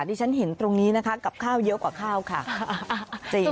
ที่ฉันเห็นตรงนี้นะคะกับข้าวเยอะกว่าข้าวค่ะ